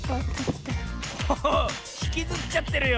おおっひきずっちゃってるよ